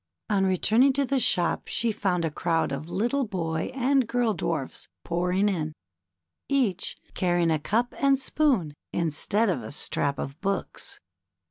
On returning to the shop she found a crowd of little boy and girl dwarfs pouring in, each carrying a cup and spoon instead of a strap of books.